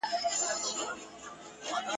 يو په بل مي انسانان دي قتل كړي !.